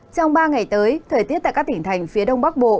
trong ba ngày tới thời tiết tại các tỉnh thành phía đông bắc bộ